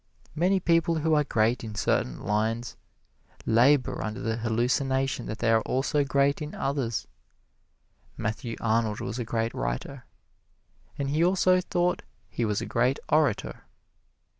Many people who are great in certain lines labor under the hallucination that they are also great in others. Matthew Arnold was a great writer, and he also thought he was a great orator.